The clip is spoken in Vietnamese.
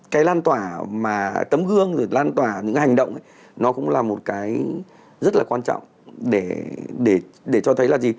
cái lan tỏa mà tấm gương rồi lan tỏa những cái hành động ấy nó cũng là một cái rất là quan trọng để cho thấy là gì